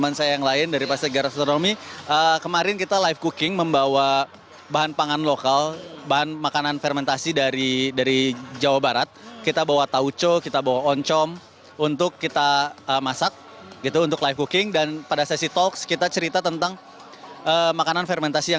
apa yang disampaikan atau informasi apa yang diberikan